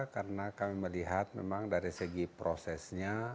karena kami melihat memang dari segi prosesnya